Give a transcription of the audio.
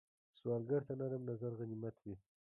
سوالګر ته نرم نظر غنیمت وي